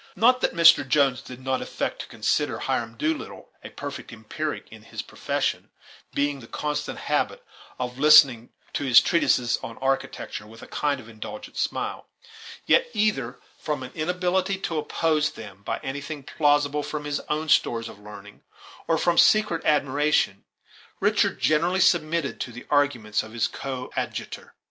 Not that Mr. Jones did not affect to consider Hiram Doolittle a perfect empiric in his profession, being in the constant habit of listening to his treatises on architecture with a kind of indulgent smile; yet, either from an inability to oppose them by anything plausible from his own stores of learning or from secret admiration, Richard generally submitted to the arguments of his co adjutor.